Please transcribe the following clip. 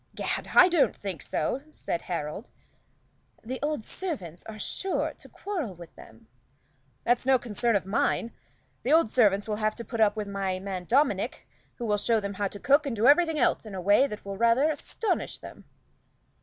"Gad! I don't think so," said Harold. "The old servants are sure to quarrel with them." "That's no concern of mine. The old servants will have to put up with my man Dominic, who will show them how to cook and do everything else in a way that will rather astonish them."